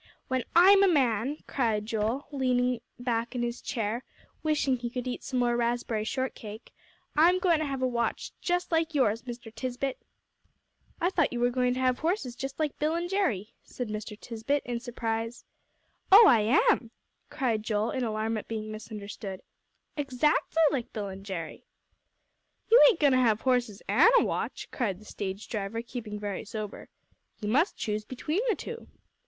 "When I'm a man," cried Joel, leaning back in his chair, wishing he could eat some more raspberry shortcake, "I'm goin' to have a watch just like yours, Mr. Tisbett." "I thought you were going to have horses just like Bill an' Jerry," said Mr. Tisbett, in surprise. "Oh, I am!" cried Joel, in alarm at being misunderstood; "exactly like Bill and Jerry." "You ain't goin' to have horses an' a watch!" cried the stage driver, keeping very sober. "You must choose between the two."